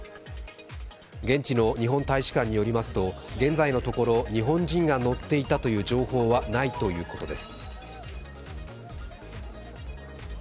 現地の日本大使館によりますと現在のところ日本人が乗っていたという情報はないということです。